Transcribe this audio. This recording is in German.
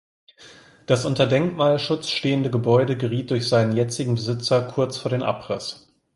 Das unter Denkmalschutz stehende Gebäude geriet durch seinen jetzigen Besitzer kurz vor den Abriss.